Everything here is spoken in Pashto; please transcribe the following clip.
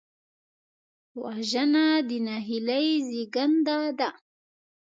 وژنه د نهیلۍ زېږنده ده